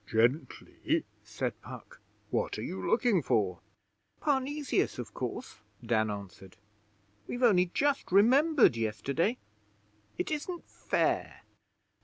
'Gently!' said Puck. 'What are you looking for?' 'Parnesius, of course,' Dan answered. 'We've only just remembered yesterday. It isn't fair.'